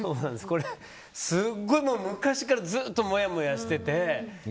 これすごい昔からずっと、もやもやしてて。